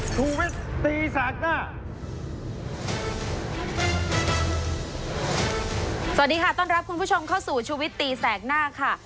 สวัสดีค่ะต้อนรับคุณผู้ชมเข้าสู่ชูวิตตีแสกหน้าค่ะ